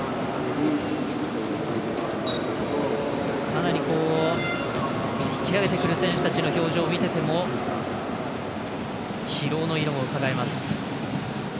かなり引き上げてくる選手たちの表情を見てても疲労の色がうかがえます。